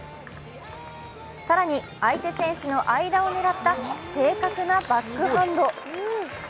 更に、相手選手の間を狙った正確なバックハンド。